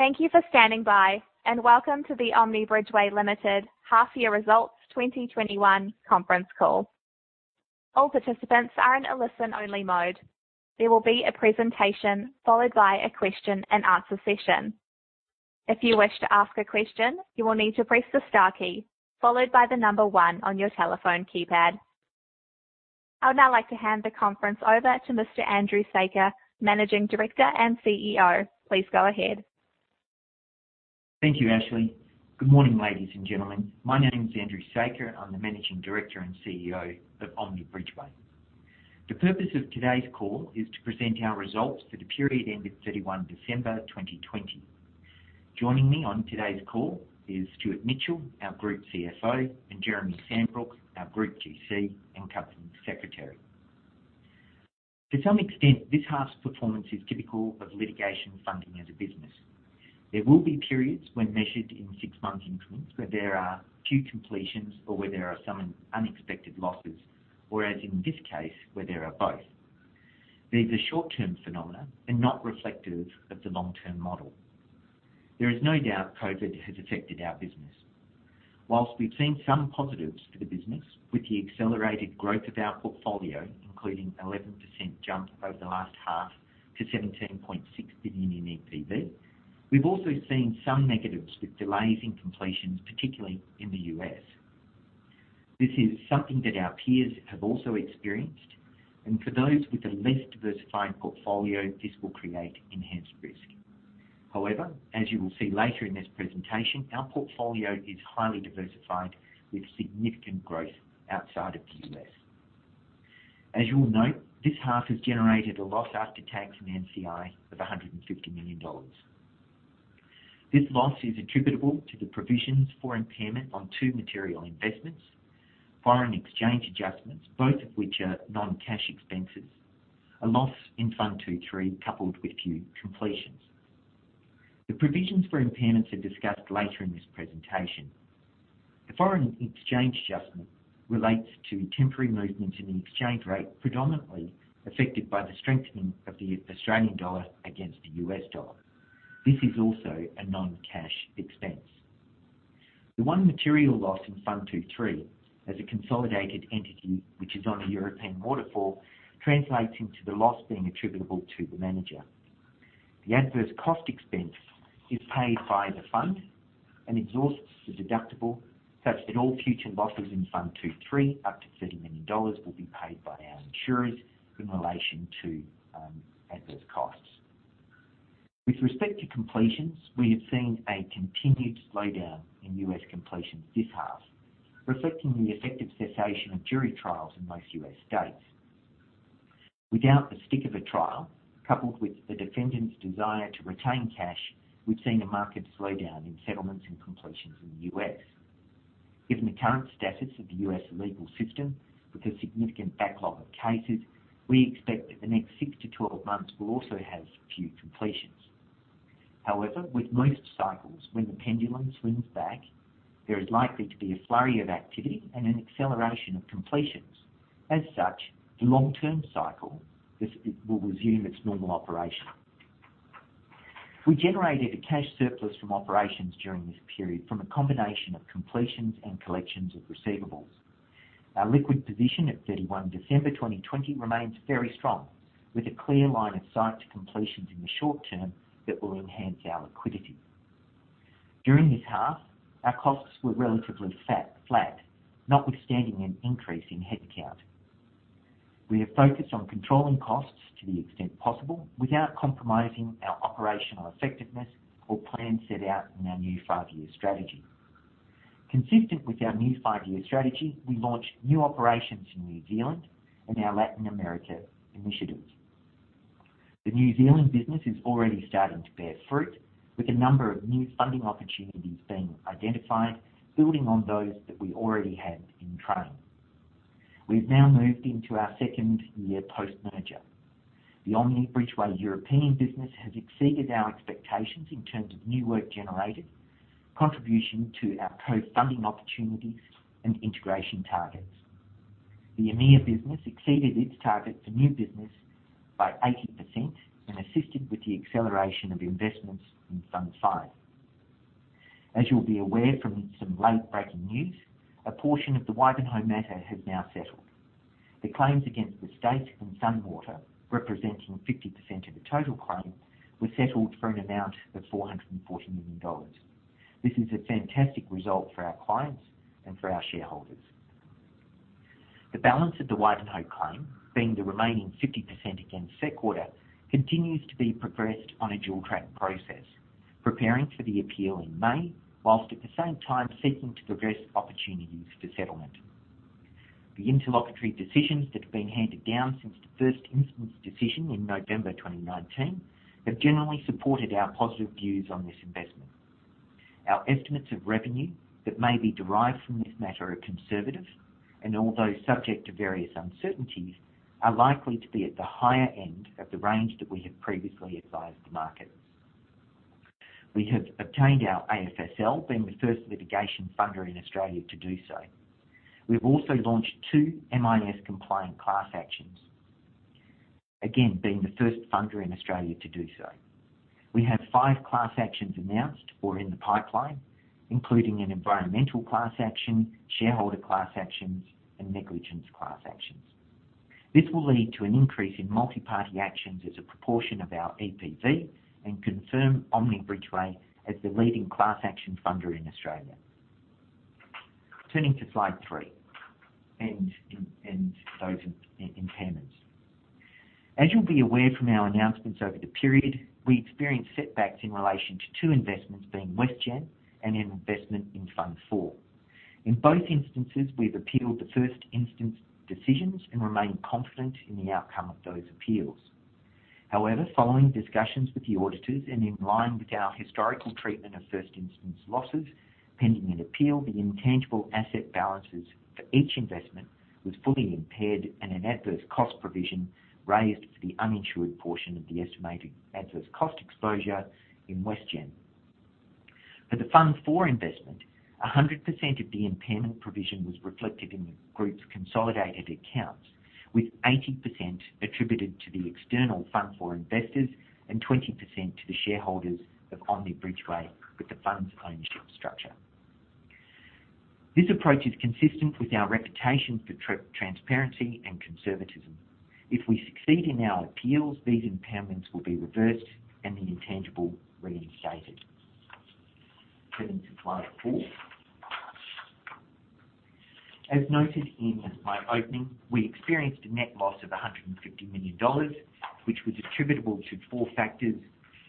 Thank you for standing by, and welcome to the Omni Bridgeway Limited Half Year Results 2021 conference call. All participants are in a listen-only mode. There will be a presentation followed by a Q&A session. If you wish to ask a question, you will need to press the star key followed by the number one on your telephone keypad. I would now like to hand the conference over to Mr. Andrew Saker, Managing Director and CEO. Please go ahead. Thank you, Ashley. Good morning, ladies and gentlemen. My name is Andrew Saker, and I'm the Managing Director and CEO of Omni Bridgeway. The purpose of today's call is to present our results for the period ending 31 December 2020. Joining me on today's call is Stuart Mitchell, our Group CFO, and Jeremy Sambrook, our Group GC and Company Secretary. To some extent, this half's performance is typical of litigation funding as a business. There will be periods when measured in six-month increments, where there are few completions or where there are some unexpected losses, or as in this case, where there are both. These are short-term phenomena and not reflective of the long-term model. There is no doubt COVID has affected our business. Whilst we've seen some positives for the business with the accelerated growth of our portfolio, including 11% jump over the last half to 17.6 billion in EPV, we've also seen some negatives with delays in completions, particularly in the U.S. This is something that our peers have also experienced, and for those with a less diversified portfolio, this will create enhanced risk. However, as you will see later in this presentation, our portfolio is highly diversified with significant growth outside of the U.S. As you will note, this half has generated a loss after tax and NCI of 150 million dollars. This loss is attributable to the provisions for impairment on two material investments, foreign exchange adjustments, both of which are non-cash expenses, a loss in Funds 2/3 coupled with few completions. The provisions for impairments are discussed later in this presentation. The foreign exchange adjustment relates to temporary movements in the exchange rate, predominantly affected by the strengthening of the Australian dollar against the U.S. dollar. This is also a non-cash expense. The one material loss in Funds 2/3 as a consolidated entity which is on the European waterfall, translates into the loss being attributable to the manager. The adverse cost expense is paid by the fund and exhausts the deductible such that all future losses in Funds 2/3 up to 30 million dollars will be paid by our insurers in relation to adverse costs. With respect to completions, we have seen a continued slowdown in U.S. completions this half, reflecting the effective cessation of jury trials in most U.S. states. Without the stick of a trial, coupled with the defendant's desire to retain cash, we've seen a marked slowdown in settlements and completions in the U.S. Given the current status of the U.S. legal system with a significant backlog of cases, we expect that the next 6-12 months will also have few completions. However, with most cycles, when the pendulum swings back, there is likely to be a flurry of activity and an acceleration of completions. As such, the long-term cycle will resume its normal operation. We generated a cash surplus from operations during this period from a combination of completions and collections of receivables. Our liquid position at December 31, 2020 remains very strong, with a clear line of sight to completions in the short term that will enhance our liquidity. During this half, our costs were relatively flat, notwithstanding an increase in headcount. We are focused on controlling costs to the extent possible without compromising our operational effectiveness or plans set out in our new five-year strategy. Consistent with our new five-year strategy, we launched new operations in New Zealand and our Latin America initiatives. The New Zealand business is already starting to bear fruit, with a number of new funding opportunities being identified, building on those that we already had in train. We've now moved into our second year post-merger. The Omni Bridgeway European business has exceeded our expectations in terms of new work generated, contribution to our co-funding opportunities, and integration targets. The EMEA business exceeded its target for new business by 80% and assisted with the acceleration of investments in Fund 5. As you'll be aware from some late-breaking news, a portion of the Wivenhoe matter has now settled. The claims against the State and Sunwater, representing 50% of the total claim, were settled for an amount of 440 million dollars. This is a fantastic result for our clients and for our shareholders. The balance of the Wivenhoe claim, being the remaining 50% against Seqwater, continues to be progressed on a dual-track process, preparing for the appeal in May, whilst at the same time seeking to progress opportunities for settlement. The interlocutory decisions that have been handed down since the first instance decision in November 2019 have generally supported our positive views on this investment. Our estimates of revenue that may be derived from this matter are conservative, and although subject to various uncertainties, are likely to be at the higher end of the range that we have previously advised the market. We have obtained our AFSL, being the first litigation funder in Australia to do so. We've also launched two MIS compliant class actions, again, being the first funder in Australia to do so. We have five class actions announced or in the pipeline, including an environmental class action, shareholder class actions, and negligence class actions. This will lead to an increase in multi-party actions as a proportion of our EPV and confirm Omni Bridgeway as the leading class action funder in Australia. Turning to slide three and those impairments. As you'll be aware from our announcements over the period, we experienced setbacks in relation to two investments, being Westgem and an investment in Fund 4. In both instances, we've appealed the first instance decisions and remain confident in the outcome of those appeals. However, following discussions with the auditors and in line with our historical treatment of first instance losses, pending an appeal, the intangible asset balances for each investment was fully impaired and an adverse cost provision raised for the uninsured portion of the estimated adverse cost exposure in Westgem... For the Fund 4 investment, 100% of the impairment provision was reflected in the group's consolidated accounts, with 80% attributed to the external Fund 4 investors and 20% to the shareholders of Omni Bridgeway with the fund's ownership structure. This approach is consistent with our reputation for transparency and conservatism. If we succeed in our appeals, these impairments will be reversed, and the intangible reinstated. Turning to slide four. As noted in my opening, we experienced a net loss of 150 million dollars, which was attributable to four factors,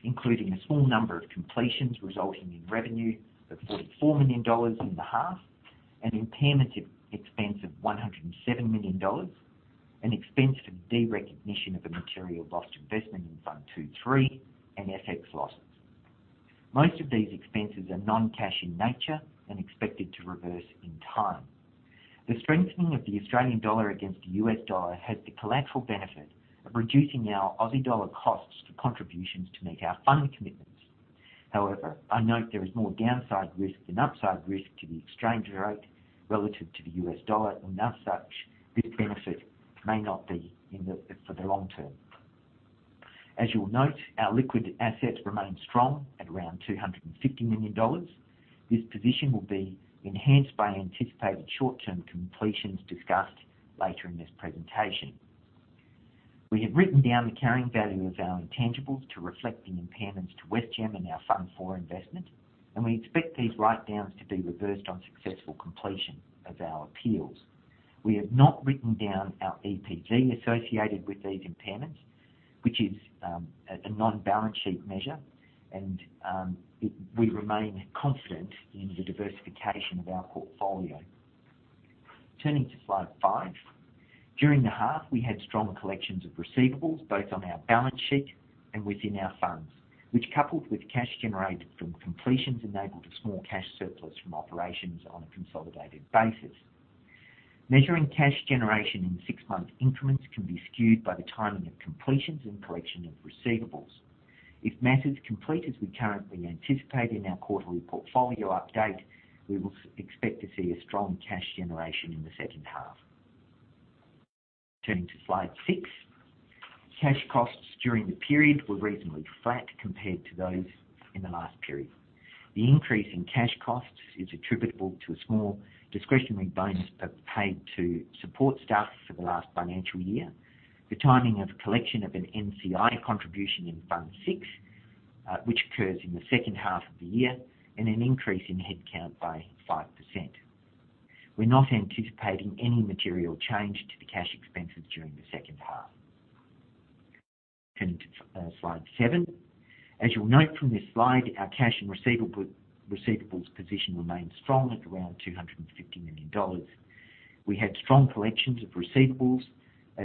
including a small number of completions resulting in revenue of 44 million dollars in the half, an impairment expense of 107 million dollars, an expense for the derecognition of a material lost investment in Funds 2/3, and FX losses. Most of these expenses are non-cash in nature and expected to reverse in time. The strengthening of the AUD against the USD has the collateral benefit of reducing our AUD costs for contributions to meet our fund commitments. I note there is more downside risk than upside risk to the exchange rate relative to the USD. As such, this benefit may not be for the long term. As you will note, our liquid assets remain strong at around 250 million dollars. This position will be enhanced by anticipated short-term completions discussed later in this presentation. We have written down the carrying value of our intangibles to reflect the impairments to Westgem and our Fund 4 investment. We expect these write-downs to be reversed on successful completion of our appeals. We have not written down our EPV associated with these impairments, which is a non-balance sheet measure. We remain confident in the diversification of our portfolio. Turning to slide five. During the half, we had strong collections of receivables, both on our balance sheet and within our funds, which coupled with cash generated from completions, enabled a small cash surplus from operations on a consolidated basis. Measuring cash generation in six-month increments can be skewed by the timing of completions and collection of receivables. If matters complete as we currently anticipate in our quarterly portfolio update, we will expect to see a strong cash generation in the second half. Turning to slide six. Cash costs during the period were reasonably flat compared to those in the last period. The increase in cash costs is attributable to a small discretionary bonus paid to support staff for the last financial year, the timing of collection of an NCI contribution in Fund 6, which occurs in the second half of the year, and an increase in headcount by 5%. We're not anticipating any material change to the cash expenses during the second half. Turning to slide seven. As you'll note from this slide, our cash and receivables position remains strong at around 250 million dollars. We had strong collections of receivables,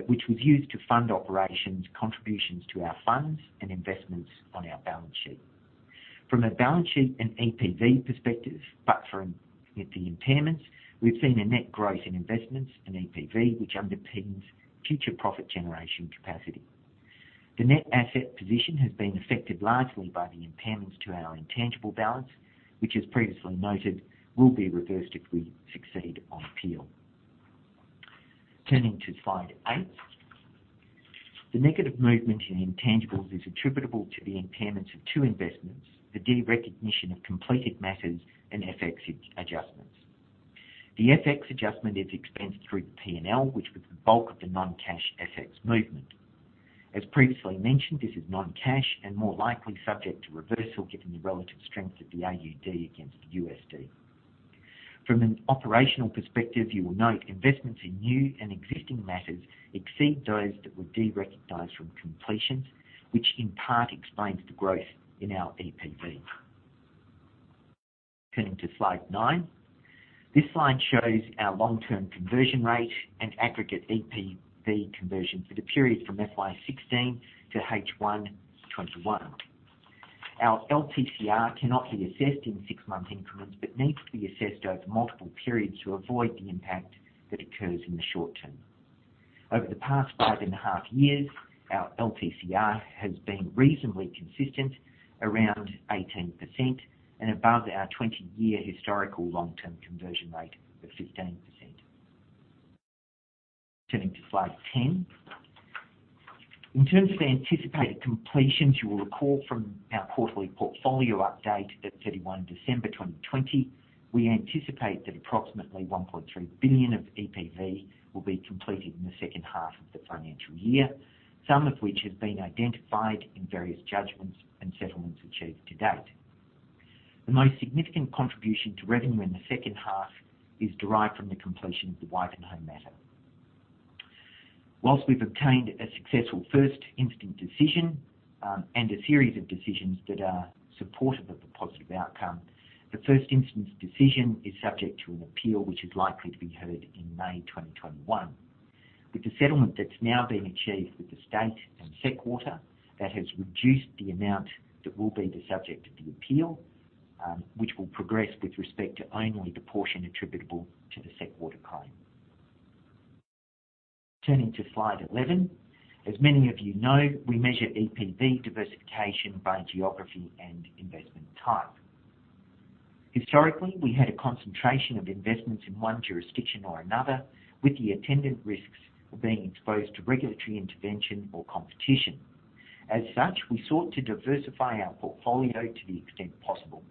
which was used to fund operations, contributions to our funds, and investments on our balance sheet. From a balance sheet and EPV perspective, but for the impairments, we've seen a net growth in investments and EPV, which underpins future profit generation capacity. The net asset position has been affected largely by the impairments to our intangible balance, which, as previously noted, will be reversed if we succeed on appeal. Turning to slide eight. The negative movement in intangibles is attributable to the impairments of two investments, the derecognition of completed matters, and FX adjustments. The FX adjustment is expensed through the P&L, which was the bulk of the non-cash FX movement. As previously mentioned, this is non-cash and more likely subject to reversal given the relative strength of the AUD against the USD. From an operational perspective, you will note investments in new and existing matters exceed those that were derecognized from completions, which in part explains the growth in our EPV. Turning to slide nine. This slide shows our long-term conversion rate and aggregate EPV conversion for the period from FY 2016 to H1 2021. Our LTCR cannot be assessed in six-month increments but needs to be assessed over multiple periods to avoid the impact that occurs in the short term. Over the past five and a half years, our LTCR has been reasonably consistent around 18% and above our 20-year historical long-term conversion rate of 15%. Turning to slide 10. In terms of the anticipated completions, you will recall from our quarterly portfolio update at 31 December 2020, we anticipate that approximately 1.3 billion of EPV will be completed in the second half of the financial year, some of which has been identified in various judgments and settlements achieved to date. The most significant contribution to revenue in the second half is derived from the completion of the Wivenhoe matter. Whilst we've obtained a successful first instance decision and a series of decisions that are supportive of the positive outcome, the first instance decision is subject to an appeal, which is likely to be heard in May 2021. With the settlement that's now been achieved with the state and Seqwater, that has reduced the amount that will be the subject of the appeal, which will progress with respect to only the portion attributable to the Seqwater claim. Turning to slide 11. As many of you know, we measure EPV diversification by geography and investment type. Historically, we had a concentration of investments in one jurisdiction or another, with the attendant risks of being exposed to regulatory intervention or competition. As such, we sought to diversify our portfolio to the extent possible.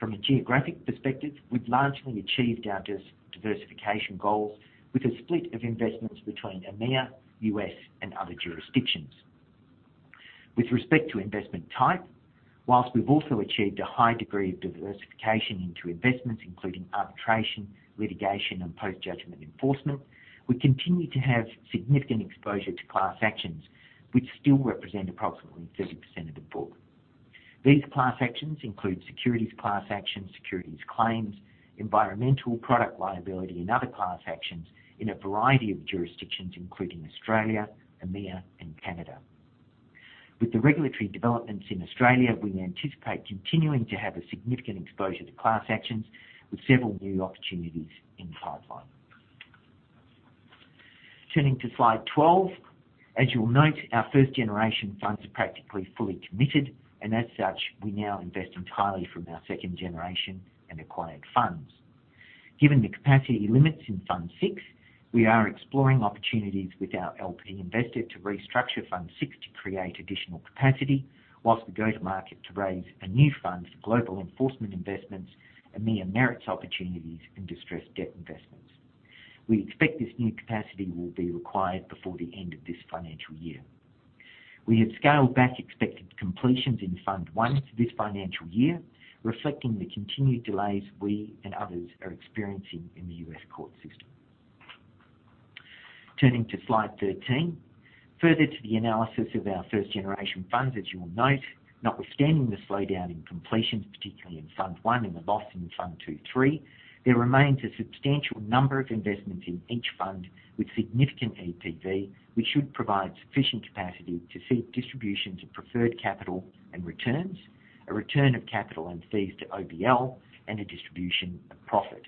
From a geographic perspective, we've largely achieved our diversification goals with a split of investments between EMEA, U.S., and other jurisdictions. With respect to investment type, whilst we've also achieved a high degree of diversification into investments including arbitration, litigation, and post-judgment enforcement, we continue to have significant exposure to class actions, which still represent approximately 30% of the book. These class actions include securities class actions, securities claims, environmental product liability, and other class actions in a variety of jurisdictions, including Australia, EMEA, and Canada. With the regulatory developments in Australia, we anticipate continuing to have a significant exposure to class actions with several new opportunities in the pipeline. Turning to slide 12. As you will note, our first generation funds are practically fully committed, as such, we now invest entirely from our second generation and acquired funds. Given the capacity limits in Fund 6, we are exploring opportunities with our LP investor to restructure Fund VI to create additional capacity whilst we go to market to raise a new fund for global enforcement investments, EMEA merits opportunities, and distressed debt investments. We expect this new capacity will be required before the end of this financial year. We have scaled back expected completions in Fund I for this financial year, reflecting the continued delays we and others are experiencing in the U.S. court system. Turning to slide 13. Further to the analysis of our first generation funds, as you will note, notwithstanding the slowdown in completions, particularly in Fund 1 and the loss in Funds 2/3, there remains a substantial number of investments in each fund with significant EPV, which should provide sufficient capacity to seek distributions of preferred capital and returns, a return of capital and fees to OBL, and a distribution of profit.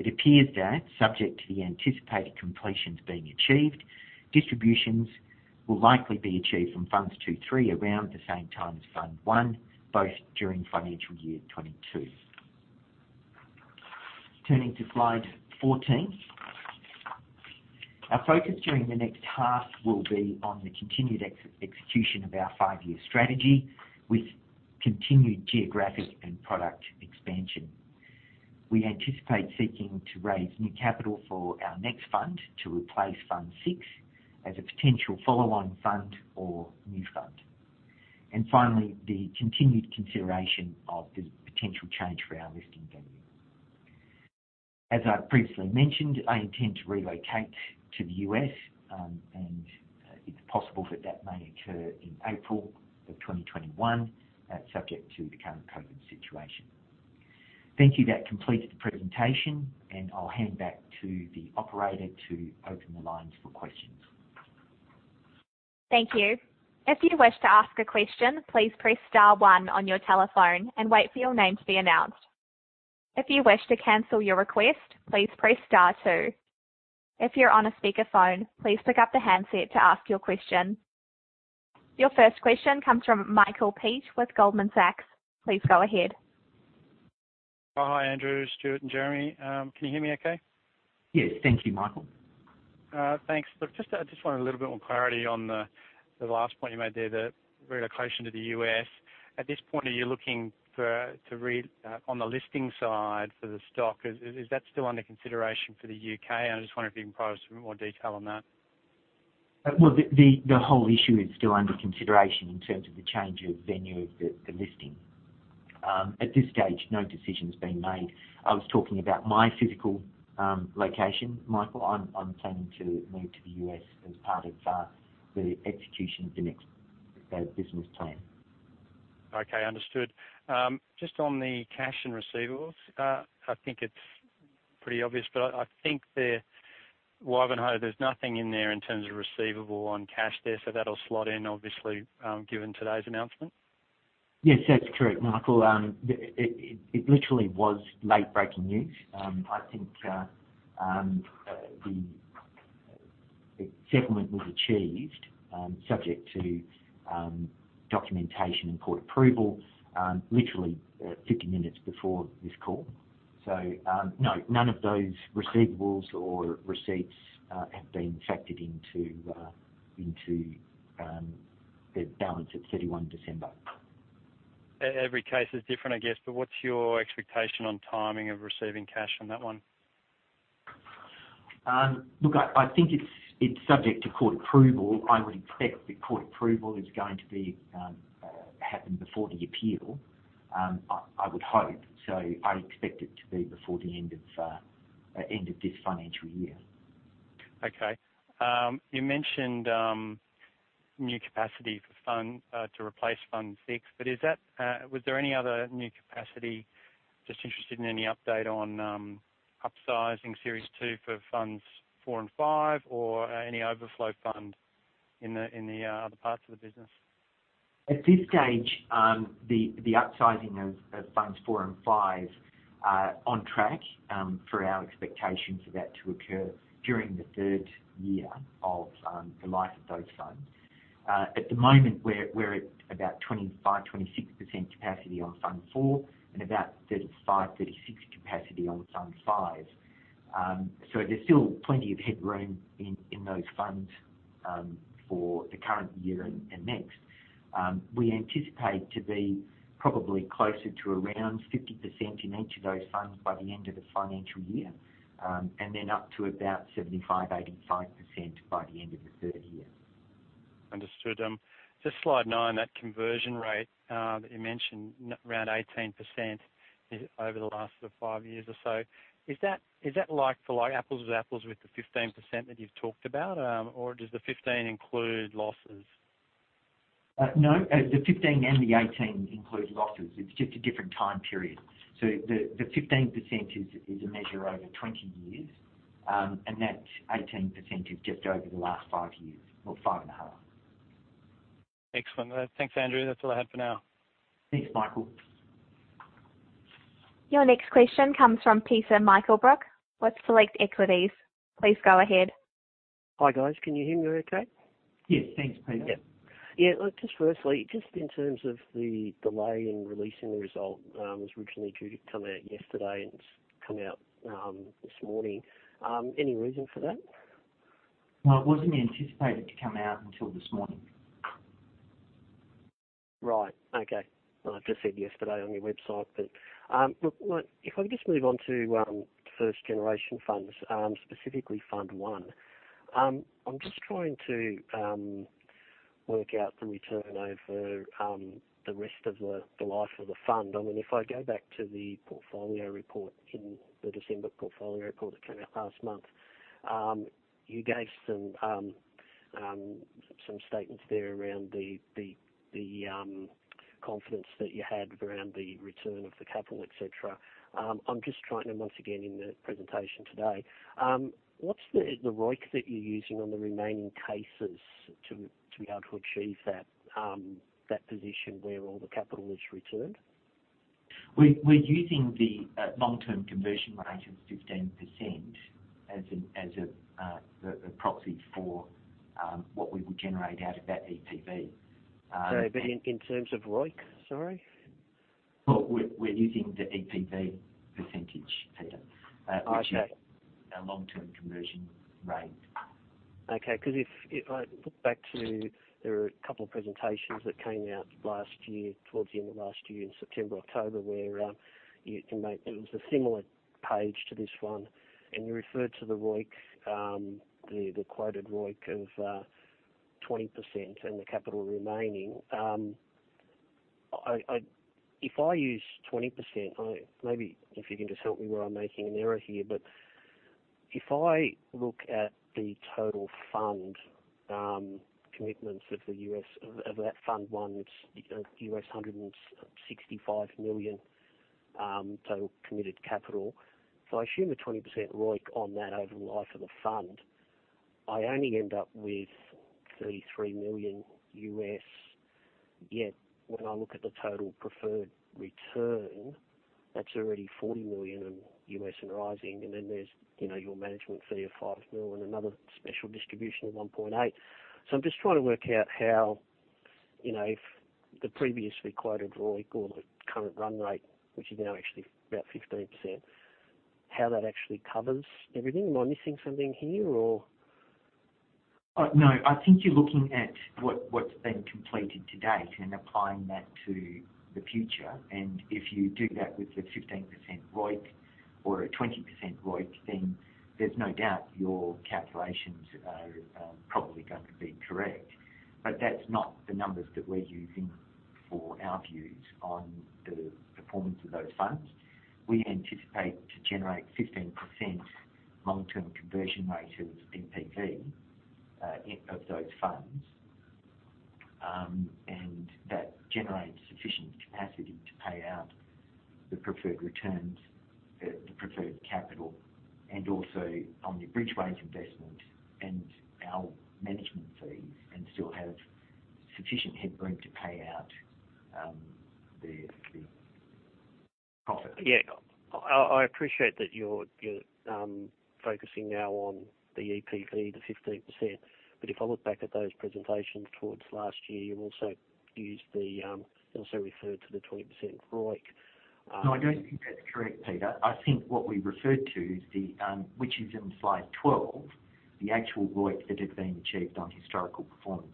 It appears that, subject to the anticipated completions being achieved, distributions will likely be achieved from Funds 2/3 around the same time as Fund 1, both during financial year 2022. Turning to slide 14. Our focus during the next half will be on the continued execution of our five-year strategy with continued geographic and product expansion. We anticipate seeking to raise new capital for our next fund to replace Fund 6 as a potential follow-on fund or new fund. Finally, the continued consideration of the potential change for our listing venue. As I previously mentioned, I intend to relocate to the U.S., and it's possible that may occur in April of 2021, subject to the current COVID situation. Thank you. That completed the presentation, and I'll hand back to the operator to open the lines for questions. Thank you. If you wish to ask a question, please press star one on your telephone and wait for your name to be announced. If you wish to cancel your request, please press star two. If you're on a speakerphone, please pick up the handset to ask a question. Your first question comes from Michael Peet with Goldman Sachs. Please go ahead. Hi, Andrew, Stuart, and Jeremy. Can you hear me okay? Yes. Thank you, Michael. Thanks. Look, I just wanted a little bit more clarity on the last point you made there, the relocation to the U.S. At this point, are you looking for, on the listing side for the stock, is that still under consideration for the U.K.? I just wonder if you can provide us with more detail on that. Well, the whole issue is still under consideration in terms of the change of venue of the listing. At this stage, no decision's been made. I was talking about my physical location, Michael. I'm tending to move to the U.S. as part of the execution of the next business plan. Okay, understood. Just on the cash and receivables, I think it's pretty obvious, but I think Wivenhoe, there's nothing in there in terms of receivable on cash there. That'll slot in, obviously, given today's announcement. Yes, that's correct, Michael. It literally was late-breaking news. I think the settlement was achieved, subject to documentation and court approval, literally 50 minutes before this call. No, none of those receivables or receipts have been factored into the balance at 31 December. Every case is different, I guess, but what's your expectation on timing of receiving cash from that one? Look, I think it's subject to court approval. I would expect the court approval is going to happen before the appeal, I would hope. I expect it to be before the end of this financial year. Okay. You mentioned new capacity for Fund 2 to replace Fund 6, but was there any other new capacity? Just interested in any update on upsizing Series 2 for Funds 4 and Fund 5 or any overflow fund in the other parts of the business. At this stage, the upsizing of Funds 4 andFund 5 are on track for our expectations of that to occur during the third year of the life of those funds. At the moment, we're at about 25%, 26% capacity on Fund 4 and about 35%, 36% capacity on Fund 5. There's still plenty of headroom in those funds for the current year and next. We anticipate to be probably closer to around 50% in each of those funds by the end of the financial year, and then up to about 75%-85% by the end of the third year. Understood. Just slide nine, that conversion rate that you mentioned, around 18% over the last five years or so, is that like for like apples with apples with the 15% that you've talked about? Does the 15 include losses? The 15 and the 18 includes losses. It's just a different time period. The 15% is a measure over 20 years, and that 18% is just over the last five years or five and a half. Excellent. Thanks, Andrew. That's all I have for now. Thanks, Michael. Your next question comes from Peter Meichelboeck with Select Equities. Please go ahead. Hi, guys. Can you hear me okay? Yes. Thanks, Peter. Yeah. Look, just firstly, just in terms of the delay in releasing the result, it was originally due to come out yesterday and it has come out this morning. Any reason for that? No, it wasn't anticipated to come out until this morning. Right. Okay. Well, it just said yesterday on your website. Look, if I can just move on to first generation funds, specifically Fund 1. I'm just trying to work out the return over the rest of the life of the fund. I mean, if I go back to the portfolio report in the December portfolio report that came out last month, you gave some statements there around the confidence that you had around the return of the capital, et cetera. I'm just trying to, once again, in the presentation today, what's the ROIC that you're using on the remaining cases to be able to achieve that position where all the capital is returned? We're using the long-term conversion rate of 15% as a proxy for what we would generate out of that EPV. In terms of ROIC? Sorry. Well, we're using the EPV percentage, Peter. I see. Which is our long-term conversion rate. If I look back to, there were a couple of presentations that came out last year, towards the end of last year in September, October, where it was a similar page to this one, and you referred to the ROIC, the quoted ROIC of 20% and the capital remaining. If I use 20%, maybe if you can just help me where I'm making an error here, but if I look at the total fund commitments of that Fund 1, it's $165 million total committed capital. If I assume a 20% ROIC on that over the life of the fund, I only end up with $33 million. Yet when I look at the total preferred return, that's already $40 million and rising, and then there's your management fee of 5 million and another special distribution of 1.8 million. I'm just trying to work out how, if the previously quoted ROIC or the current run rate, which is now actually about 15%, how that actually covers everything. Am I missing something here or? No, I think you're looking at what's been completed to date and applying that to the future. If you do that with the 15% ROIC or a 20% ROIC, then there's no doubt your calculations are probably going to be correct. That's not the numbers that we're using for our views on the performance of those funds. We anticipate to generate 15% long-term conversion rate of EPV of those funds, and that generates sufficient capacity to pay out the preferred returns, the preferred capital, and also Omni Bridgeway's investment and our management fees, and still have sufficient headroom to pay out the. Yeah. I appreciate that you're focusing now on the EPV, the 15%, but if I look back at those presentations towards last year, you also referred to the 20% ROIC. No, I don't think that's correct, Peter. I think what we referred to, which is in slide 12, the actual ROIC that had been achieved on historical performance.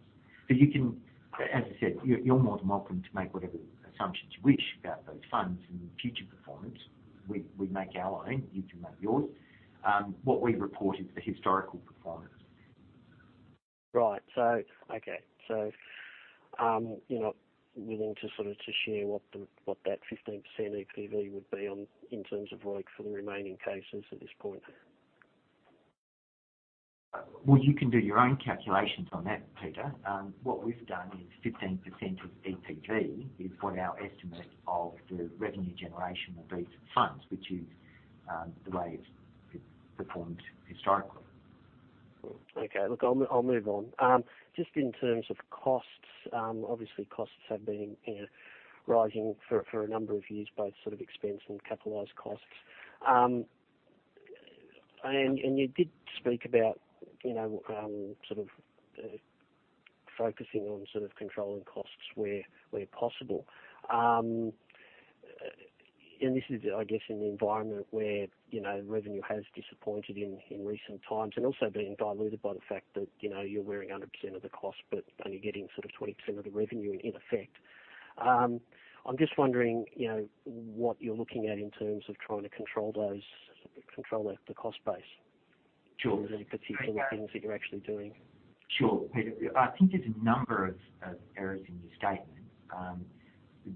As I said, you're more than welcome to make whatever assumptions you wish about those funds and future performance. We make our own, you can make yours. What we report is the historical performance. Right. Okay. You're not willing to share what that 15% EPV would be in terms of ROIC for the remaining cases at this point? Well, you can do your own calculations on that, Peter. What we've done is 15% of EPV is what our estimate of the revenue generation of these funds, which is the way it's performed historically. I'll move on. Just in terms of costs, obviously costs have been rising for a number of years, both expense and capitalized costs. You did speak about focusing on controlling costs where possible. This is, I guess, in an environment where revenue has disappointed in recent times, and also being diluted by the fact that you're wearing 100% of the cost, but only getting 20% of the revenue in effect. I'm just wondering what you're looking at in terms of trying to control the cost base. Sure. Are there any particular things that you're actually doing? Sure, Peter. I think there's a number of errors in your statement.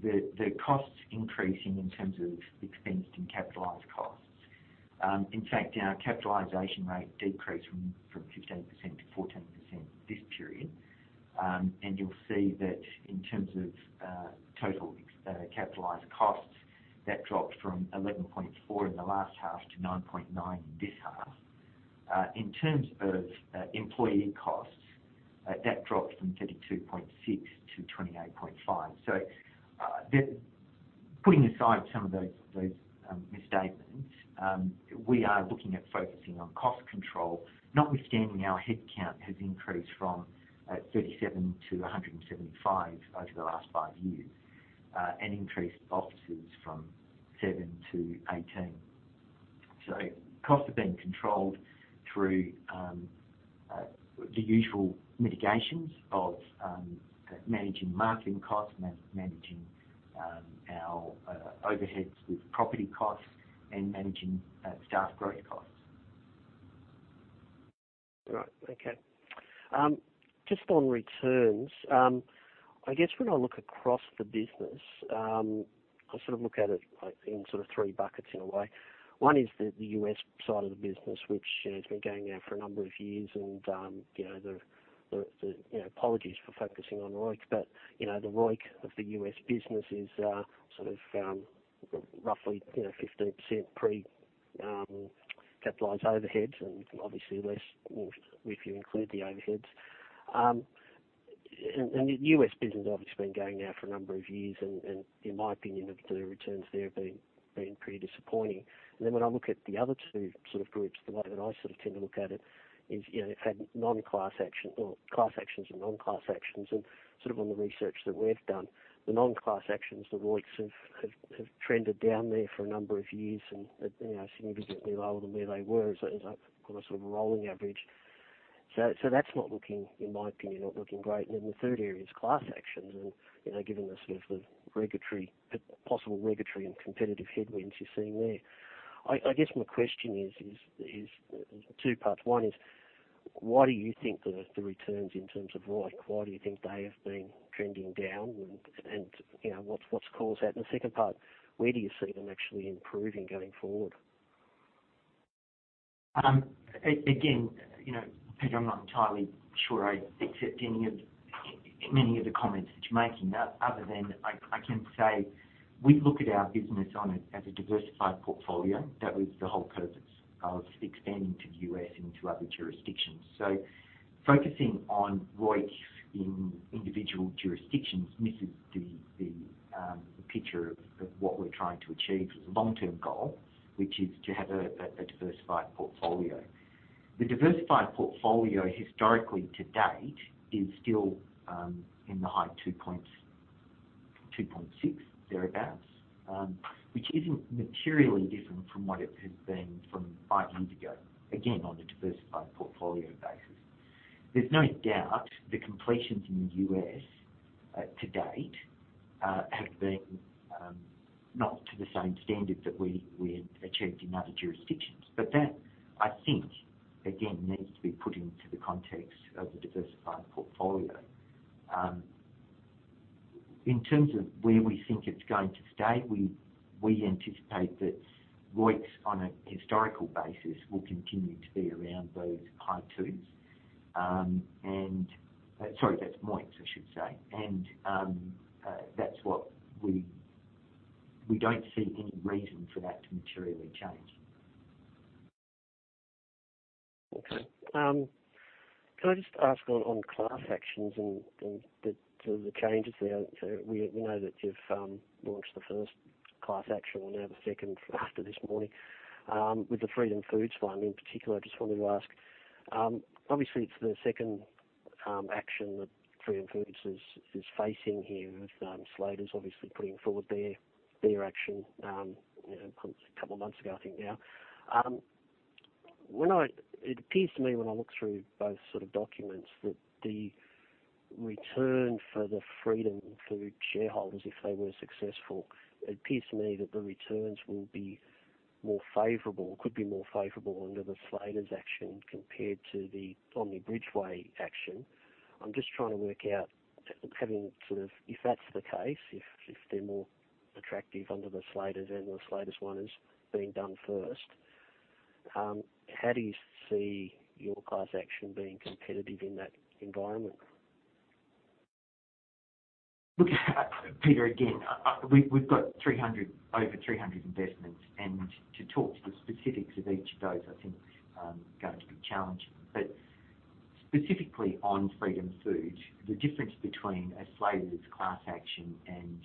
The costs increasing in terms of expensed and capitalized costs. Our capitalization rate decreased from 15% to 14% this period. You'll see that in terms of total capitalized costs, that dropped from 11.4 million in the last half to 9.9 million in this half. In terms of employee costs, that dropped from 32.6 million to 28.5 million. Putting aside some of those misstatements, we are looking at focusing on cost control, notwithstanding our headcount has increased from 37 to 175 over the last five years, and increased offices from seven to 18. Costs are being controlled through the usual mitigations of managing marketing costs, managing our overheads with property costs, and managing staff growth costs. Okay. Just on returns, I guess when I look across the business, I look at it in three buckets in a way. One is the U.S. side of the business, which has been going now for a number of years, and apologies for focusing on ROIC, but the ROIC of the U.S. business is roughly 15% pre-capitalized overheads, and obviously less if you include the overheads. The U.S. business, obviously, has been going now for a number of years, and in my opinion, the returns there have been pretty disappointing. When I look at the other two groups, the way that I tend to look at it is, you've had class actions and non-class actions, and on the research that we've done, the non-class actions, the ROICs have trended down there for a number of years and are significantly lower than where they were on a rolling average. That's, in my opinion, not looking great. The third area is class actions, and given the possible regulatory and competitive headwinds you're seeing there. I guess my question is two parts. One is, why do you think the returns in terms of ROIC, why do you think they have been trending down, and what's caused that? The second part, where do you see them actually improving going forward? Again, Peter, I'm not entirely sure I accept many of the comments that you're making, other than I can say we look at our business as a diversified portfolio. That was the whole purpose of expanding to the U.S. into other jurisdictions. Focusing on ROIC in individual jurisdictions misses the picture of what we're trying to achieve as a long-term goal, which is to have a diversified portfolio. The diversified portfolio historically to date is still in the high 2.6x, thereabouts, which isn't materially different from what it has been from five years ago, again, on a diversified portfolio basis. There's no doubt the completions in the U.S. to date have been not to the same standard that we had achieved in other jurisdictions. That, I think, again, needs to be put into the context of the diversified portfolio. In terms of where we think it's going to stay, we anticipate that ROICs on a historical basis will continue to be around those high twos. Sorry, that's MOIC, I should say. That's what we don't see any reason for that to materially change. Okay. Can I just ask on class actions and the changes there? We know that you've launched the first class action, well now the second after this morning, with the Freedom Foods one in particular. I just wanted to ask, obviously it's the second action that Freedom Foods is facing here with Slaters obviously putting forward their action a couple of months ago, I think now. It appears to me when I look through both documents that the return for the Freedom Foods shareholders if they were successful, it appears to me that the returns could be more favorable under the Slaters action compared to the Omni Bridgeway action. I'm just trying to work out, if that's the case, if they're more attractive under the Slaters and the Slaters one is being done first, how do you see your class action being competitive in that environment? Look, Peter, again, we've got over 300 investments. To talk to the specifics of each of those, I think, is going to be challenging. Specifically on Freedom Foods, the difference between a Slaters class action and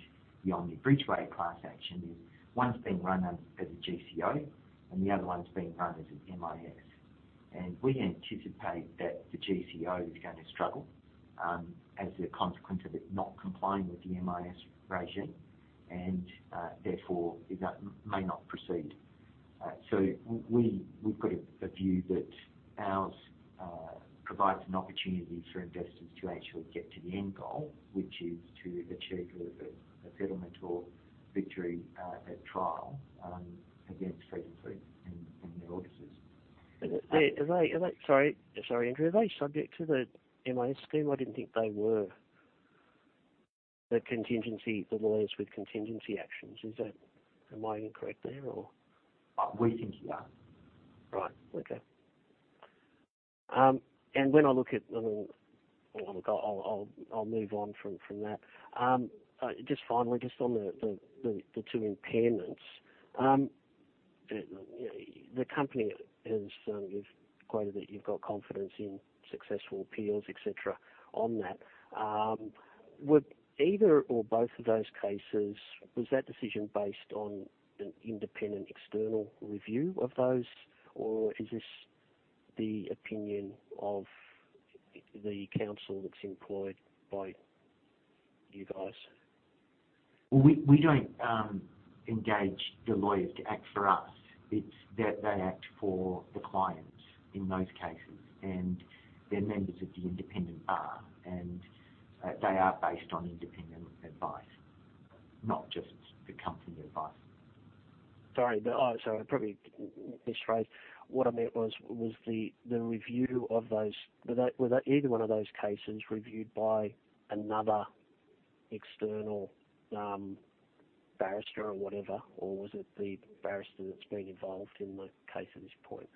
the Omni Bridgeway class action is one's being run as a GCO and the other one's being run as an MIS. We anticipate that the GCO is going to struggle, as a consequence of it not complying with the MIS regime, and therefore may not proceed. We've got a view that ours provides an opportunity for investors to actually get to the end goal, which is to achieve a settlement or victory at trial against Freedom Foods and their auditors. Sorry, Andrew, are they subject to the MIS scheme? I didn't think they were. The lawyers with contingency actions. Am I incorrect there or? We think you are. Right. Okay. I'll move on from that. Just finally, just on the two impairments. The company, you've quoted that you've got confidence in successful appeals, et cetera, on that. Would either or both of those cases, was that decision based on an independent external review of those or is this the opinion of the counsel that's employed by you guys? We don't engage the lawyers to act for us. They act for the clients in those cases and they're members of the independent bar and they are based on independent advice, not just the company advice. Sorry, I probably misphrased. What I meant was either one of those cases reviewed by another external barrister or whatever? Or was it the barrister that's been involved in the case at this point?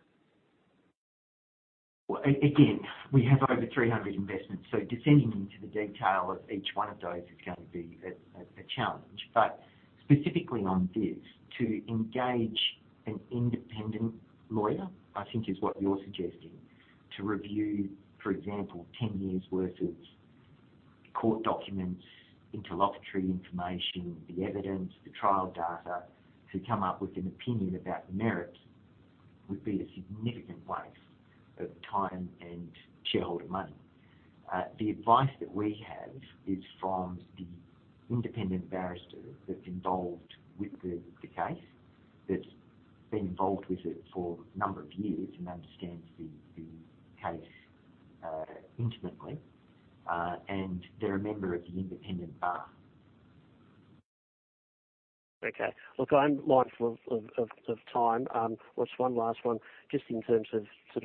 Well, again, we have over 300 investments, so descending into the detail of each one of those is going to be a challenge. Specifically on this, to engage an independent lawyer, I think is what you're suggesting, to review, for example, 10 years' worth of court documents, interlocutory information, the evidence, the trial data, to come up with an opinion about merit, would be a significant waste of time and shareholder money. The advice that we have is from the independent barrister that's involved with the case, that's been involved with it for a number of years and understands the case intimately, and they're a member of the independent bar. Okay. Look, I'm mindful of time. What's one last one, just in terms of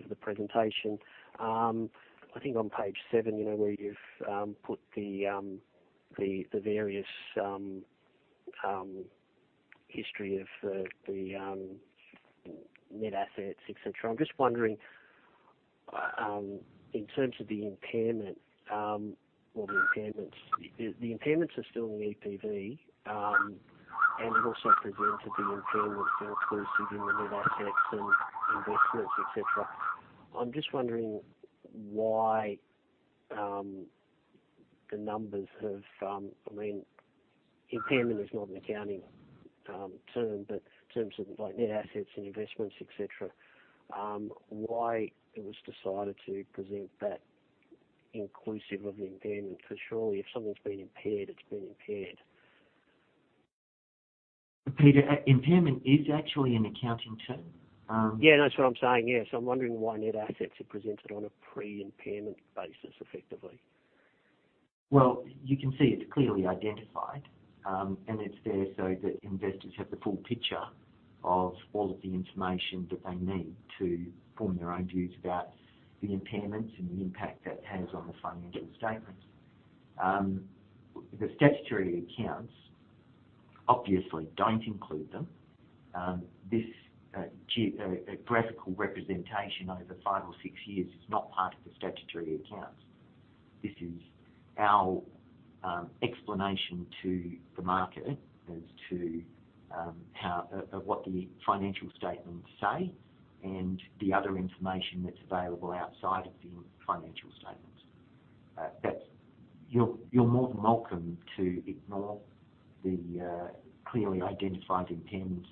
the presentation. I think on page seven, where you've put the various history of the net assets, et cetera. I'm just wondering, in terms of the impairment, or the impairments, the impairments are still in EPV, and it also presented the impairment inclusive in the net assets and investments, et cetera. I'm just wondering why the numbers have impairment is not an accounting term, but in terms of net assets and investments, et cetera, why it was decided to present that inclusive of the impairment, because surely if something's been impaired, it's been impaired. Peter, impairment is actually an accounting term. Yeah, that's what I'm saying. Yes, I'm wondering why net assets are presented on a pre-impairment basis effectively. Well, you can see it is clearly identified, and it is there so that investors have the full picture of all of the information that they need to form their own views about the impairments and the impact that has on the financial statements. The statutory accounts obviously do not include them. This graphical representation over five or six years is not part of the statutory accounts. This is our explanation to the market as to what the financial statements say and the other information that is available outside of the financial statements. You are more than welcome to ignore the clearly identified impairments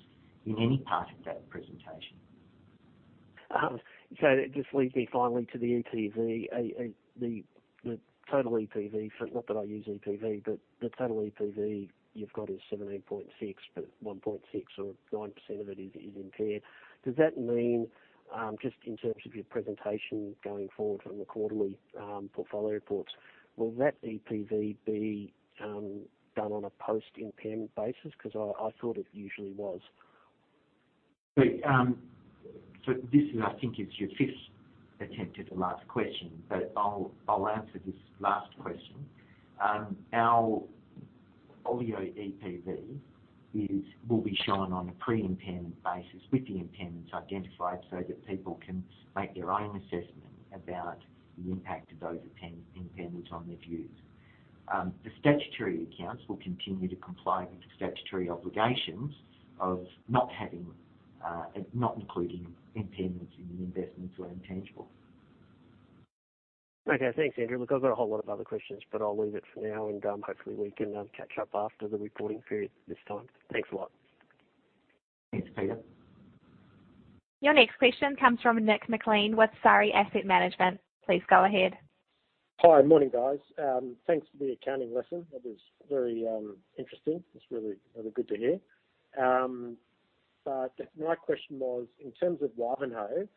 in any part of that presentation. That just leads me finally to the EPV, the total EPV for, not that I use EPV, but the total EPV you've got is 17.6 billion, but 1.6 billion or 9% of it is impaired. Does that mean, just in terms of your presentation going forward from the quarterly portfolio reports, will that EPV be done on a post-impairment basis? Because I thought it usually was. This is, I think it's your fifth attempt at the last question, but I'll answer this last question. Our OBL EPV will be shown on a pre-impairment basis with the impairments identified so that people can make their own assessment about the impact of those impairments on their views. The statutory accounts will continue to comply with the statutory obligations of not including impairments in investments or intangibles. Okay. Thanks, Andrew. Look, I've got a whole lot of other questions, but I'll leave it for now, and hopefully we can catch up after the reporting period this time. Thanks a lot. Thanks, Peter. Your next question comes from Nick Maclean with Surrey Asset Management. Please go ahead. Hi. Morning, guys. Thanks for the accounting lesson. That was very interesting. It's really, really good to hear. My question was, in terms of Wivenhoe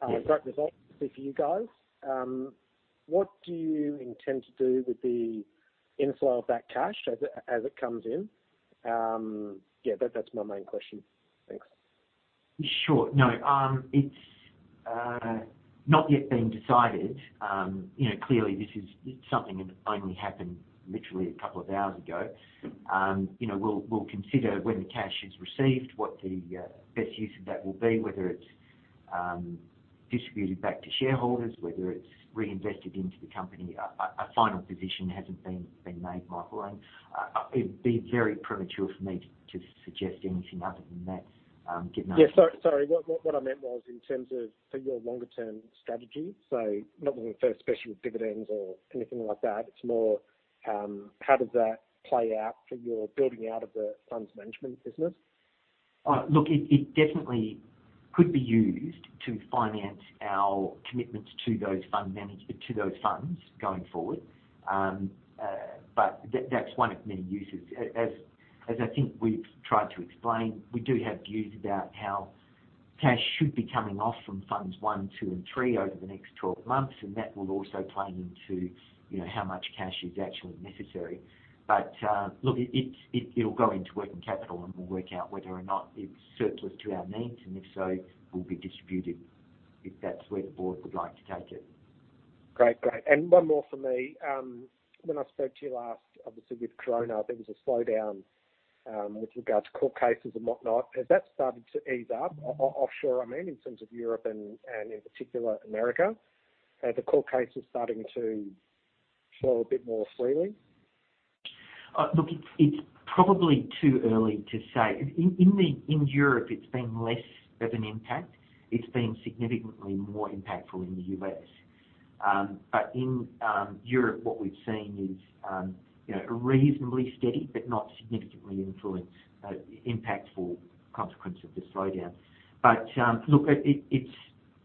Dam. Yes. Great results, obviously, for you guys. What do you intend to do with the inflow of that cash as it comes in? Yeah, that's my main question. Thanks. Sure. No, it's not yet been decided. Clearly, this is something that only happened literally a couple of hours ago. We'll consider when the cash is received, what the best use of that will be, whether it's distributed back to shareholders, whether it's reinvested into the company. A final decision hasn't been made, Michael, and it'd be very premature for me to suggest anything other than that. Yeah, sorry, what I meant was in terms of for your longer term strategy. Not looking for special dividends or anything like that, it's more how does that play out for your building out of the funds management business? Look, it definitely could be used to finance our commitments to those funds going forward, but that's one of many uses. As I think we've tried to explain, we do have views about how cash should be coming off from Funds 1, Fund 2, and Fund 3 over the next 12 months. That will also play into how much cash is actually necessary. Look, it'll go into working capital. We'll work out whether or not it's surplus to our needs. If so, it will be distributed if that's where the board would like to take it. Great. One more from me. When I spoke to you last, obviously, with COVID, there was a slowdown with regards to court cases and whatnot. Has that started to ease up, offshore, I mean, in terms of Europe and in particular the America? Are the court cases starting to flow a bit more freely? Look, it's probably too early to say. In Europe, it's been less of an impact. It's been significantly more impactful in the U.S. In Europe, what we've seen is a reasonably steady but not significantly influenced impactful consequence of the slowdown. Look,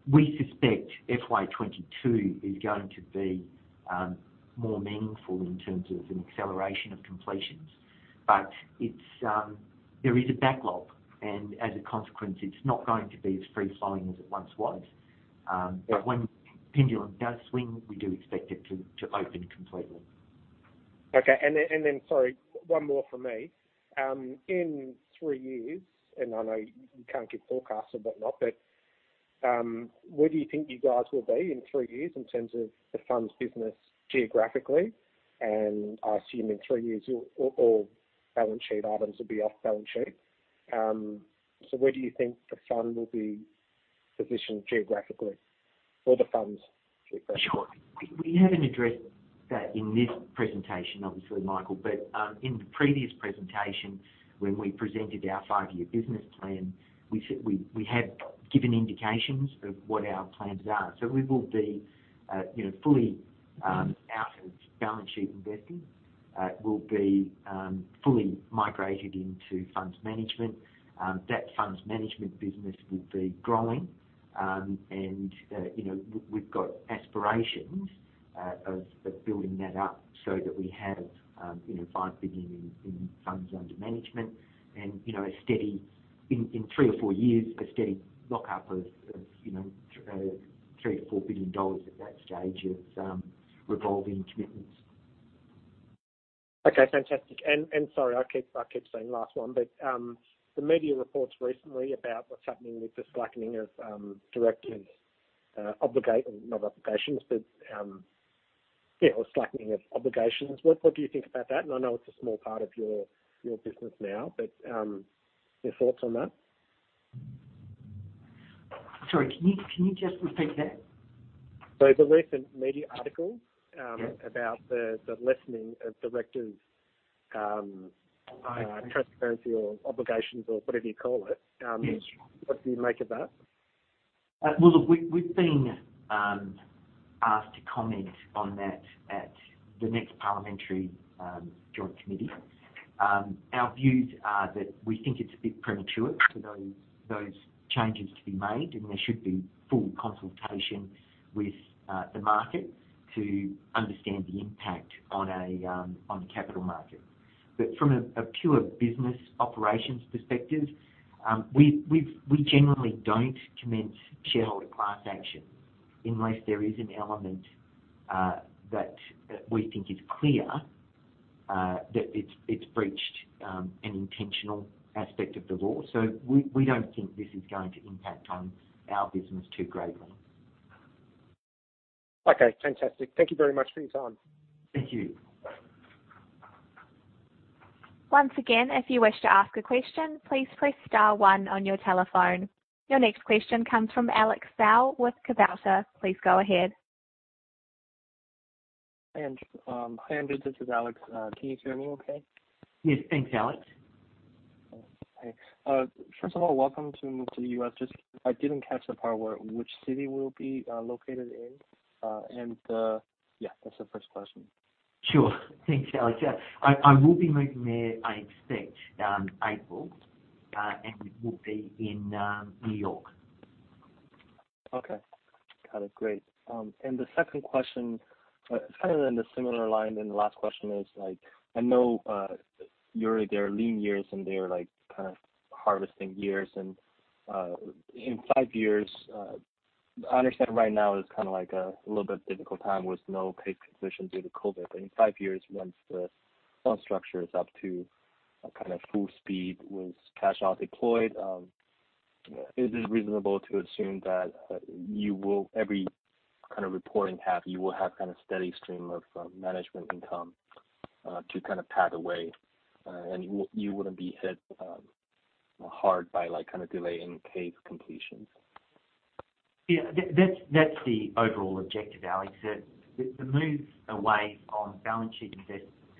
we suspect FY 2022 is going to be more meaningful in terms of an acceleration of completions. There is a backlog, and as a consequence, it's not going to be as free-flowing as it once was. When the pendulum does swing, we do expect it to open completely. Okay. Sorry, one more from me. In three years, I know you can't give forecasts or whatnot, but where do you think you guys will be in three years in terms of the funds business geographically? I assume in three years, all balance sheet items will be off balance sheet. Where do you think the fund will be positioned geographically for the funds perspective? Sure. We haven't addressed that in this presentation, obviously, Michael, but in the previous presentation, when we presented our five-year business plan, we had given indications of what our plans are. We will be fully out of balance sheet investing. We will be fully migrated into funds management. That funds management business will be growing, and we've got aspirations of building that up so that we have 5 billion in funds under management and in three or four years, a steady lockup of 3 billion-4 billion dollars at that stage of revolving commitments. Okay, fantastic. Sorry, I keep saying last one, but the media reports recently about what's happening with the slackening of direct and obligate, not obligations, but yeah, or slackening of obligations. What do you think about that? I know it's a small part of your business now, but your thoughts on that? Sorry, can you just repeat that? The recent media article. Yeah. About the lessening of directors' transparency or obligations or whatever you call it. Yes. What do you make of that? Well, look, we've been asked to comment on that at the next Parliamentary Joint Committee. Our views are that we think it's a bit premature for those changes to be made, and there should be full consultation with the market to understand the impact on the capital market. From a pure business operations perspective, we generally don't commence shareholder class action unless there is an element that we think is clear that it's breached an intentional aspect of the law. We don't think this is going to impact on our business too greatly. Okay, fantastic. Thank Thank you very much for your time. Thank you. Once again, if you wish to ask a question, please press star one on your telephone. Your next question comes from Alex Dow with Kabouter. Please go ahead. Hi, Andrew. This is Alex. Can you hear me okay? Yes. Thanks, Alex. Okay. First of all, welcome to the U.S. Just I didn't catch the part where which city we'll be located in. Yeah, that's the first question. Sure. Thanks, Alex. Yeah, I will be moving there, I expect, April. It will be in New York. Okay. Got it. Great. The second question, it's kind of in a similar line than the last question is, I know there are lean years and there are kind of harvesting years. In five years, I understand right now is kind of a little bit difficult time with no paid position due to COVID. In five years, once the fund structure is up to a kind of full speed with cash out deployed, is it reasonable to assume that every kind of reporting half, you will have steady stream of management income to kind of pad away and you wouldn't be hit hard by delay in case completions? Yeah, that's the overall objective, Alex. The move away on balance sheet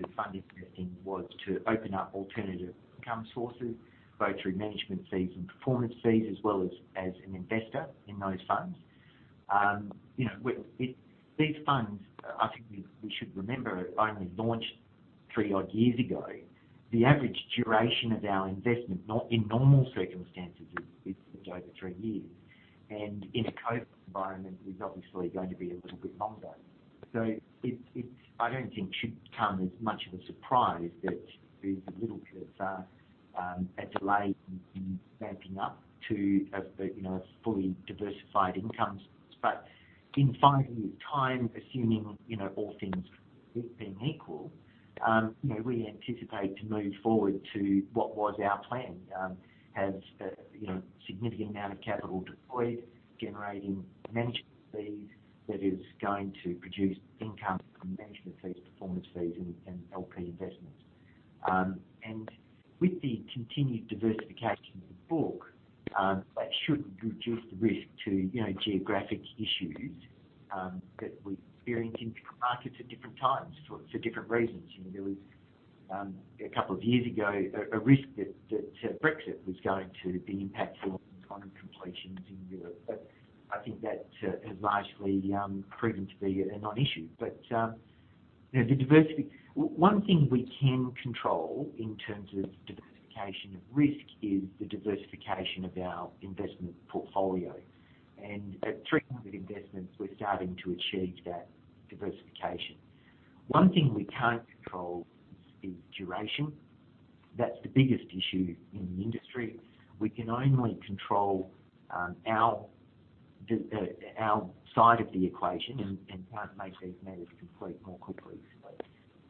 investments to fund investing was to open up alternative income sources, both through management fees and performance fees as well as an investor in those funds. These funds, I think we should remember, only launched three-odd years ago. The average duration of our investment, in normal circumstances, is just over three years. In a COVID environment, is obviously going to be a little bit longer. It, I don't think should come as much of a surprise that there's a little bit of a delay in ramping up to a fully diversified income source. In five years time, assuming all things being equal, we anticipate to move forward to what was our plan. Has a significant amount of capital deployed, generating management fees that is going to produce income from management fees, performance fees, and LP investments. With the continued diversification of the book, that should reduce the risk to geographic issues that we experience in different markets at different times for different reasons. There was, a couple of years ago, a risk that Brexit was going to be impactful on completions in Europe, but I think that has largely proven to be a non-issue. One thing we can control in terms of diversification of risk is the diversification of our investment portfolio. At 300 investments, we're starting to achieve that diversification. One thing we can't control is duration. That's the biggest issue in the industry. We can only control our side of the equation and can't make these matters complete more quickly.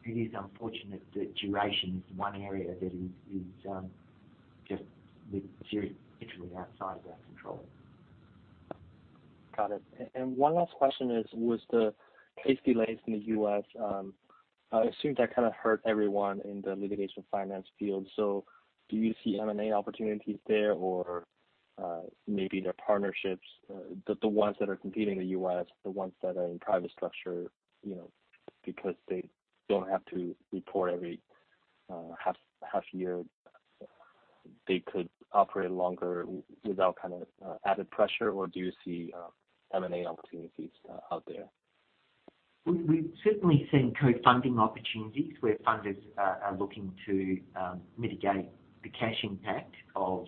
It is unfortunate that duration is one area that is just literally outside of our control. Got it. One last question is, with the case delays in the U.S., it seems that kind of hurt everyone in the litigation finance field. Do you see M&A opportunities there, or maybe their partnerships, the ones that are competing in the U.S., the ones that are in private structure, because they don't have to report every half year, they could operate longer without added pressure, or do you see M&A opportunities out there? We've certainly seen co-funding opportunities where funders are looking to mitigate the cash impact of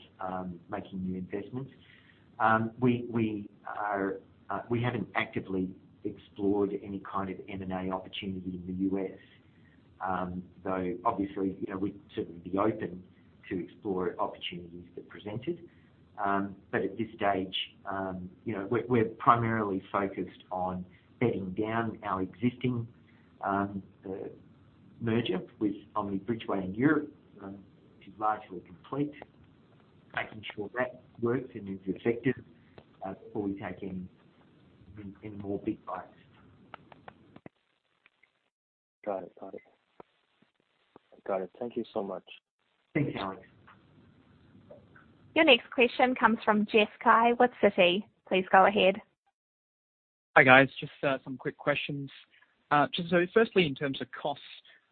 making new investments. We haven't actively explored any kind of M&A opportunity in the U.S., though obviously, we'd certainly be open to explore opportunities that presented. At this stage, we're primarily focused on bedding down our existing merger with Omni Bridgeway in Europe, which is largely complete. Making sure that works and is effective before we take any more big bites. Got it. Thank you so much. Thank you. Your next question comes from Jessie Cai with Citi. Please go ahead. Hi, guys. Just some quick questions. Firstly, in terms of costs,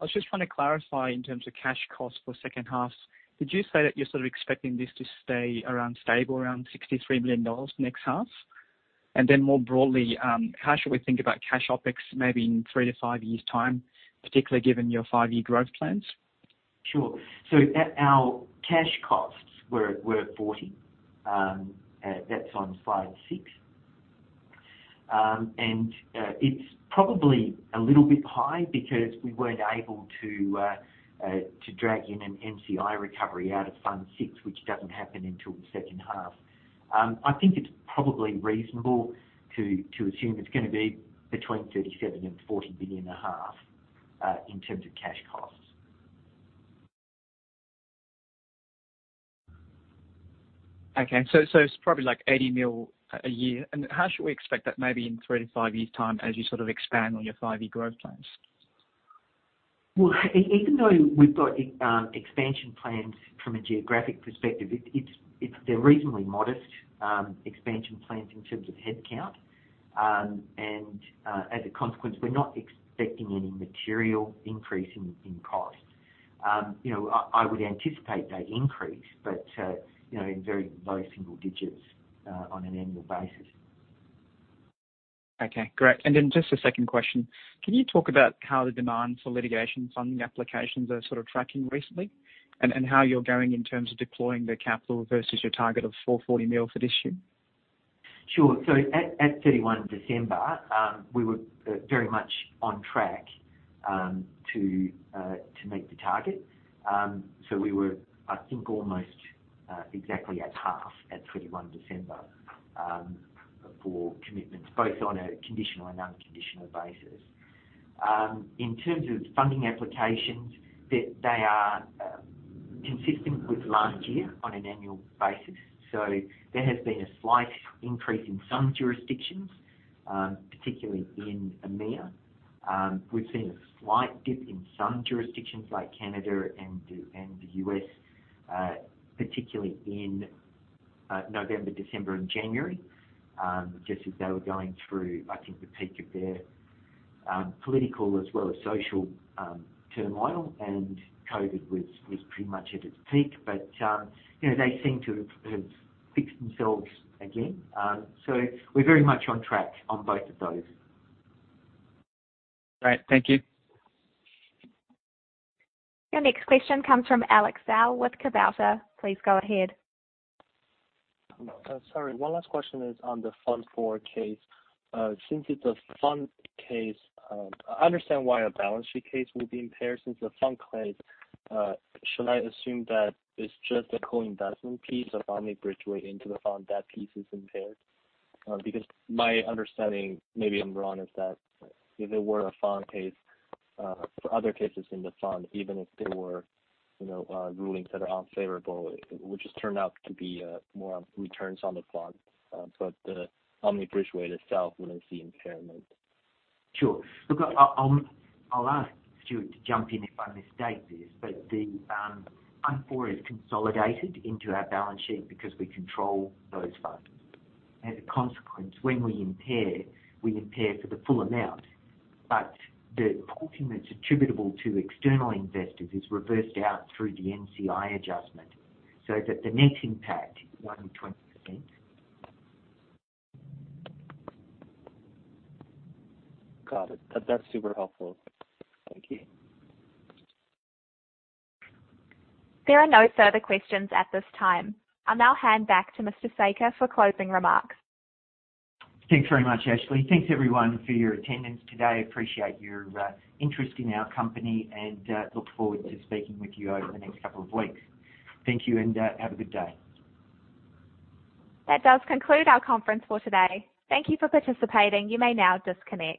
I was just trying to clarify in terms of cash costs for second half, did you say that you're sort of expecting this to stay around stable, around 63 million dollars next half? Then more broadly, how should we think about cash OpEx maybe in 3-5 years' time, particularly given your five-year growth plans? Sure. Our cash costs were at 40 million. That's on slide six. It's probably a little bit high because we weren't able to drag in an NCI recovery out of Fund 6, which doesn't happen until the second half. I think it's probably reasonable to assume it's going to be between 37 million and 40 million a half, in terms of cash costs. Okay. It's probably like 80 million a year. How should we expect that maybe in three to five years' time as you sort of expand on your five-year growth plans? Well, even though we've got expansion plans from a geographic perspective, they're reasonably modest expansion plans in terms of headcount. As a consequence, we're not expecting any material increase in costs. I would anticipate they'd increase, but in very low single digits on an annual basis. Okay, great. Just a second question. Can you talk about how the demand for litigation funding applications are sort of tracking recently? And how you're going in terms of deploying the capital versus your target of 440 million for this year? Sure. At 31 December, we were very much on track to meet the target. We were, I think, almost exactly at half at 31 December for commitments, both on a conditional and unconditional basis. In terms of funding applications, they are consistent with last year on an annual basis. There has been a slight increase in some jurisdictions, particularly in EMEA. We've seen a slight dip in some jurisdictions like Canada and the U.S., particularly in November, December and January, just as they were going through, I think, the peak of their political as well as social turmoil and COVID was pretty much at its peak. They seem to have fixed themselves again. We're very much on track on both of those. Great. Thank you. Your next question comes from Alex Dow with Kabouter. Please go ahead. Sorry, one last question is on the Fund 4 case. It's a fund case, I understand why a balance sheet case will be impaired. It's a fund case, should I assume that it's just a co-investment piece of Omni Bridgeway into the fund, that piece is impaired? My understanding, maybe I'm wrong, is that if it were a fund case, for other cases in the fund, even if there were rulings that are unfavorable, it would just turn out to be more of returns on the fund. Omni Bridgeway itself wouldn't see impairment. Sure. Look, I'll ask Stuart to jump in if I mistake this, but the Fund 4 is consolidated into our balance sheet because we control those funds. As a consequence, when we impair, we impair for the full amount. The portion that's attributable to external investors is reversed out through the NCI adjustment so that the net impact is one in 20%. Got it. That's super helpful. Thank you. There are no further questions at this time. I'll now hand back to Mr. Saker for closing remarks. Thanks very much, Ashley. Thanks, everyone, for your attendance today. Appreciate your interest in our company and look forward to speaking with you over the next couple of weeks. Thank you, and have a good day. That does conclude our conference for today. Thank you for participating. You may now disconnect.